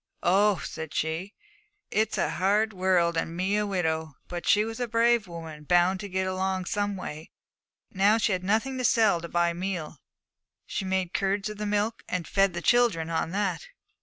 "Oh," said she, "it's a hard world, and me a widow!" But she was a brave woman, bound to get along some way. So, now that she had nothing to sell to buy meal, she made curds of the milk, and fed the children on that.